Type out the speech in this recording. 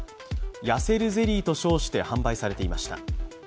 痩せるゼリーと称して販売されていました。